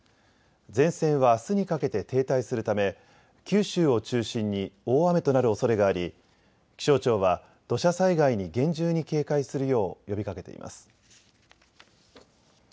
前線はあすにかけて停滞するため九州を中心に大雨となるおそれがあり気象庁は土砂災害に厳重に警戒するよう呼びかけています。